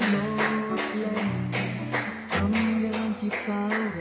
นะครับอีกครับ